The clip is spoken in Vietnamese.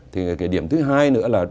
thì cái điểm thứ hai nữa là